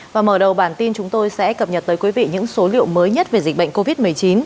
và mở đầu bản tin chúng tôi sẽ cập nhật tới quý vị những số liệu mới nhất về dịch bệnh covid một mươi chín